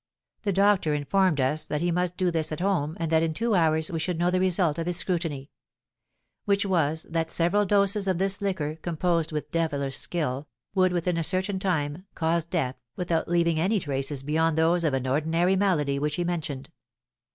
The doctor informed us that he must do this at home, and that in two hours we should know the result of his scrutiny; which was that several doses of this liquor, composed with devilish skill, would, within a certain time, cause death, without leaving any traces beyond those of an ordinary malady, which he mentioned.